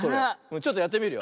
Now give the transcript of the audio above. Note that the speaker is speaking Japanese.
ちょっとやってみるよ。